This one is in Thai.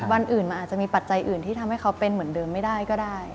วันอื่นมันอาจจะมีปัจจัยอื่นที่ทำให้เขาเป็นเหมือนเดิมไม่ได้ก็ได้